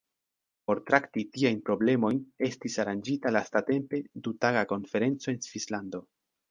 Por trakti tiajn problemojn estis aranĝita lastatempe du-taga konferenco en Svislando.